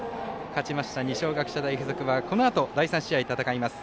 勝ちました二松学舎大付属はこのあと第３試合戦います